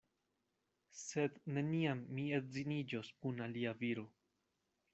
Sed neniam mi edziniĝos kun alia viro.